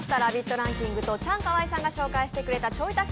ランキングとチャンカワイさんが紹介してくれたちょい足し